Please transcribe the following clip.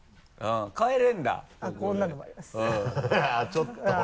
ちょっと。